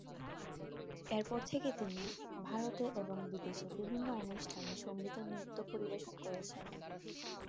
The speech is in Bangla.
এর পর থেকে তিনি ভারতে এবং বিদেশে বিভিন্ন অনুষ্ঠানে সঙ্গীত ও নৃত্য পরিবেশন করেছেন।